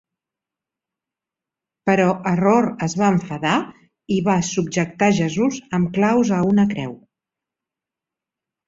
Però Error es va enfadar i va subjectar Jesus amb claus a una creu.